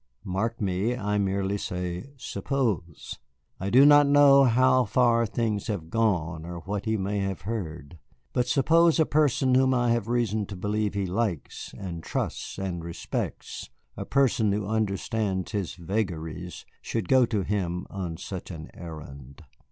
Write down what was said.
Mark me, I merely say suppose. I do not know how far things have gone, or what he may have heard. But suppose a person whom I have reason to believe he likes and trusts and respects, a person who understands his vagaries, should go to him on such an errand."